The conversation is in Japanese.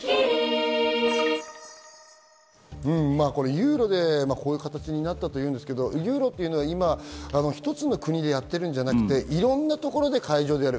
ユーロでこういう形になったというんですが、ユーロというのは１つの国でやってるのではなく、いろんなところで会場でやる。